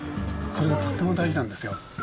それがとても大事なんですよ。